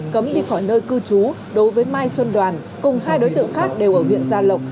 cấm đi khỏi nơi cư trú đối với mai xuân đoàn cùng hai đối tượng khác đều ở huyện gia lộc